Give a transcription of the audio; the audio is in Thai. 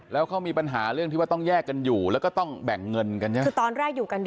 แล้วเขามีปัญหาเรื่องที่ว่าต้องแยกกันอยู่แล้วก็ต้องแบ่งเงินกัน